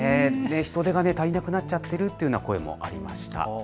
人手が足りなくなっちゃってるというような声もありました。